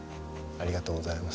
ありがとうございます。